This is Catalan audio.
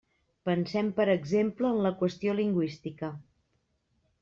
Pensem per exemple en la qüestió lingüística.